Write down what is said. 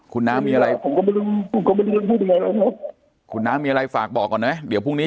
คุณน้ามีอะไรมีอะไรมีอะไรฝากบอกก่อนนะเดี๋ยวพรุ่งนี้